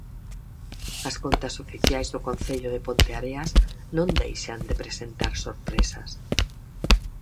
As contas oficiais do concello de Ponteareas non deixan de presentar sorpresas.